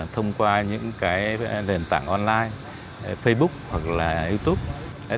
thông qua những cái nền tảng online facebook hoặc là youtube